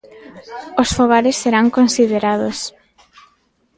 Os fogares serán considerados.